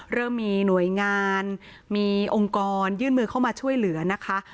เริ่มมีหน่วยงานมีองค์กรยื่นมือเข้ามาช่วยเหลือนะคะ